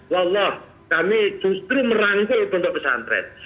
wallah kami justru merangkul kondok pesantren